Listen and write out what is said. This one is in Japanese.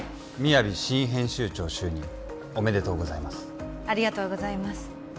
新編集長就任おめでとうございますありがとうございます